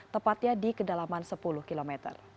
tepatnya di kedalaman sepuluh km